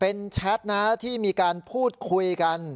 เป็นแชทนะที่มีการพูดคุยกัน